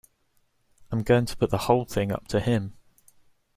I'm going to put the whole thing up to him.